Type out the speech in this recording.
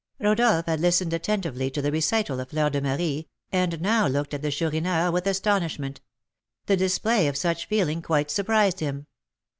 Rodolph had listened attentively to the recital of Fleur de Marie, and now looked at the Chourineur with astonishment: the display of such feeling quite surprised him.